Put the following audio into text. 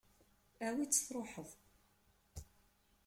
Awi-tt, tṛuḥeḍ.